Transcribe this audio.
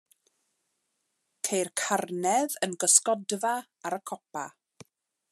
Ceir carnedd yn gysgodfa ar y copa.